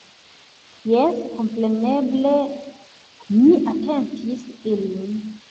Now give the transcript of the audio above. Jes, kompreneble mi atentis ilin.